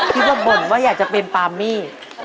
พี่ก็บ่นว่าอยากจะเป็นปามี่